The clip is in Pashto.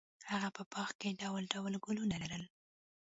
هغه په باغ کې ډول ډول ګلونه لرل.